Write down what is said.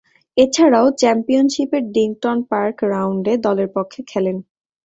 এছাড়াও, চ্যাম্পিয়নশীপের ডিংটন পার্ক রাউন্ডে দলের পক্ষে খেলেন।